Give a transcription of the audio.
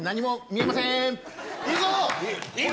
・いいぞ！